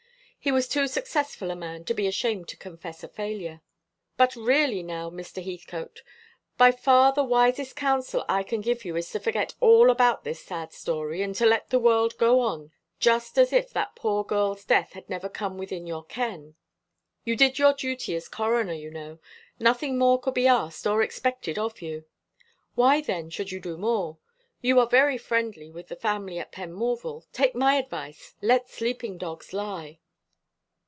He was too successful a man to be ashamed to confess a failure. "But really now, Mr. Heathcote, by far the wisest counsel I can give you is to forget all about this sad story, and to let the world go on just as if that poor girl's death had never come within your ken. You did your duty as Coroner, you know. Nothing more could be asked or expected of you. Why, then, should you do more? You are very friendly with the family at Penmorval. Take my advice. 'Let sleeping dogs lie.'"